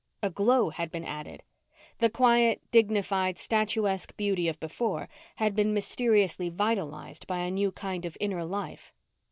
A glow had been added. The quiet, dignified, statuesque beauty of before had been mysteriously vitalized by a new kind of inner life.